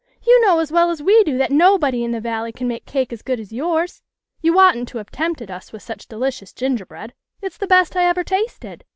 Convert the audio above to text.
You know as well as we do that nobody in the Valley can make cake as good as yours. You oughtn't to have tempted us with such delicious gingerbread. It's the best I ever tasted."